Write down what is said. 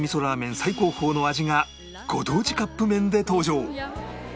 最高峰の味がご当地カップ麺で登場